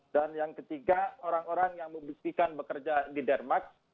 dan yang ketiga orang orang yang membuktikan bekerja di denmark